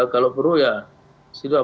kalau perlu ya